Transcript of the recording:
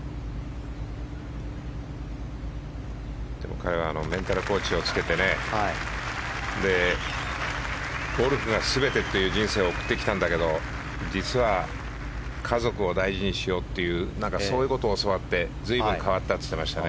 彼らもメンタルコーチをつけてゴルフが全てという人生を送ってきたんだけど実は家族を大事にしようというそういうことを教わって随分変わったと言ってましたね。